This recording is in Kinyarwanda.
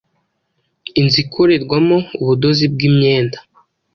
Inzu ikorerwamo ubudozi bw’imyenda